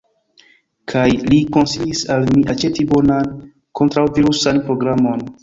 Kaj li konsilis al mi aĉeti bonan kontraŭvirusan programon.